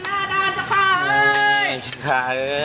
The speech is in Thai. แต่พี่ยังหน้าด้านซะค่ะเอ้ย